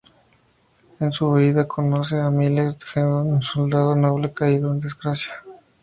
En su huida, conoce a Miles Hendon, un soldado noble caído en desgracia.